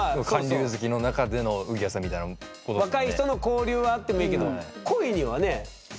若い人の交流はあってもいいけど恋にはね？